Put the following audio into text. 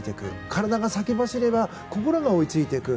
体が先走れば心が追いついていく。